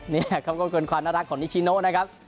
นี่คำควรความน่ารักของนิชโนครับ